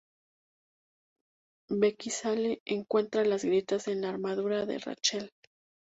Beckinsale encuentra las grietas en la armadura de Rachel.